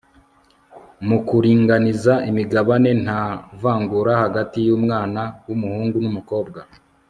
mu kuringaniza imigabane nta vangura hagati y'umwana w'umuhungu n'umukobwa